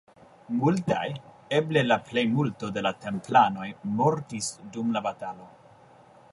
Multaj, eble la plejmulto de la templanoj mortis dum la batalo.